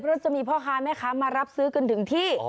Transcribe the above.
เพราะจะมีพ่อค้าแม่ค้ามารับซื้อกันถึงที่